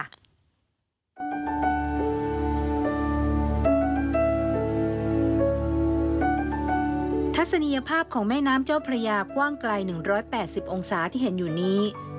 ทัศนียภาพของแม่น้ำเจ้าพระยากว้างไกล๑๘๐องศาที่เห็นอยู่นี้